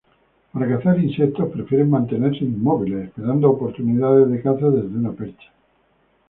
Para cazar insectos prefieren mantenerse inmóviles esperando oportunidades de caza desde una percha.